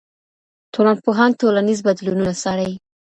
ټولنپوهان ټولنیز بدلونونه څاري.